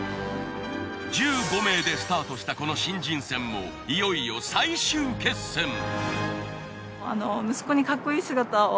１５名でスタートしたこの新人戦もいよいよ最終決戦。